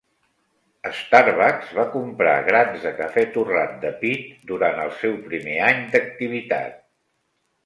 Starbucks va comprar grans de cafè torrat de Peet durant el seu primer any d'activitat.